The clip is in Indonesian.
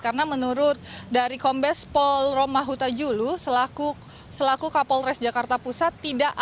karena menurut dari kombes polrom mahuta julu selaku kapolres jakarta pusat